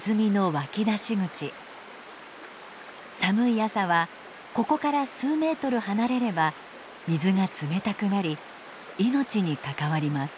寒い朝はここから数メートル離れれば水が冷たくなり命に関わります。